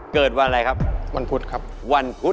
เกิดวันอะไรครับวันพุธครับวันพุธ